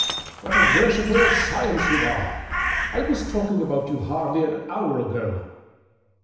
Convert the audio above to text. What a wor shipper of science you are ! I was talking about you hardly an hour ago."